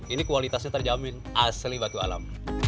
ini kualitasnya terjamin asli batu alam